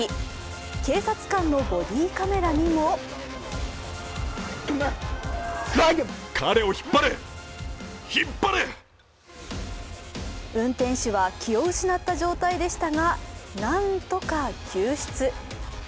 警察官のボディカメラにも運転手は気を失った状態でしたが、何とか救出。